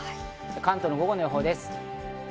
関東の午後の予報です。